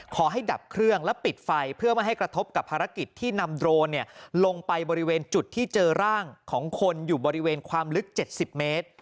ดับเครื่องและปิดไฟเพื่อไม่ให้กระทบกับภารกิจที่นำโดรนลงไปบริเวณจุดที่เจอร่างของคนอยู่บริเวณความลึก๗๐เมตร